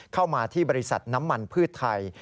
เข้ามาที่บริษัทน้ำมันพืชไทย